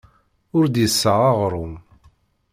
Ur d-yessaɣ aɣrum.